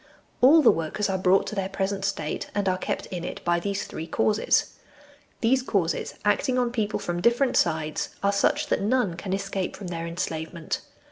All the workers are brought to their present state, and are kept in it, by these three causes. These causes, acting on people from different sides, are such that none can escape from their enslavement.